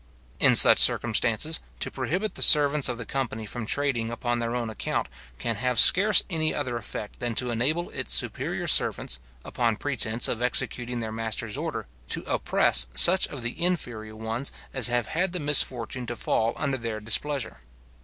In such circumstances, to prohibit the servants of the company from trading upon their own account, can have scarce any other effect than to enable its superior servants, under pretence of executing their master's order, to oppress such of the inferior ones as have had the misfortune to fall under their displeasure.